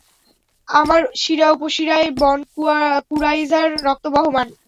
আমার শিরা-উপশিরায় বনু কুরাইযার রক্ত বহমান।